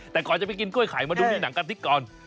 แต่ก่อนจะไปกินกล้วยไข่มาดูในหนังกะทิก่อน